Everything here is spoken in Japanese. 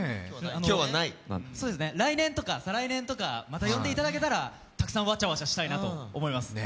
来年とか、再来年とか、また呼んでいただけたらたくさん、わちゃわちゃしたいなと思います。